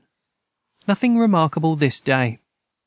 Nothing remarkable this day.